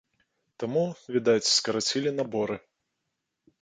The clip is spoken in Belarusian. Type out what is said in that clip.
Таму, відаць, скарацілі наборы.